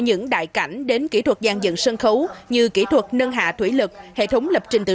những đại cảnh đến kỹ thuật giàn dựng sân khấu như kỹ thuật nâng hạ thủy lực hệ thống lập trình tự